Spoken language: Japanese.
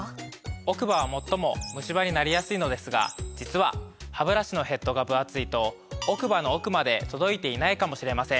奥歯は最もムシ歯になりやすいのですが実はハブラシのヘッドが分厚いと奥歯の奥まで届いていないかもしれません。